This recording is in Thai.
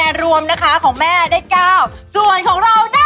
คะแนนรวมนะคะของแม่ได้๙ส่วนของเราได้๑๐